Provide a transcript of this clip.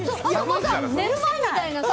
寝る前みたいな。